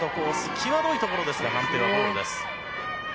際どいところですが判定はボールです。